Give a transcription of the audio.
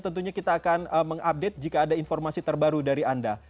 tentunya kita akan mengupdate jika ada informasi terbaru dari anda